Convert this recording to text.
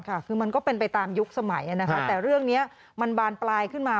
ค่ะคือมันก็เป็นไปตามยุคสมัยนะคะแต่เรื่องนี้มันบานปลายขึ้นมา